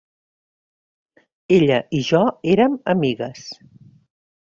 Ella i jo érem amigues.